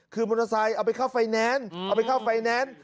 คือมอเตอร์ไซค์เอาไปเข้าไฟแนนซ์เอาไปเข้าไฟแนนซ์